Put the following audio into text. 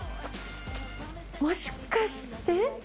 もしかして。